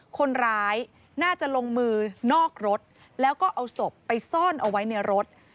คนร้ายน่าจะลงมือนอกรถแล้วก็เอาศพไปซ่อนเอาไว้ในรถ